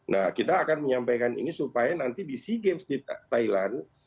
nah kita akan menyampaikan ini supaya nanti di sea games di thailand